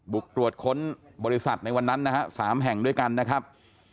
ตรวจค้นบริษัทในวันนั้นนะฮะ๓แห่งด้วยกันนะครับ